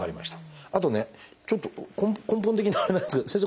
あとねちょっと根本的にあれなんですけど先生。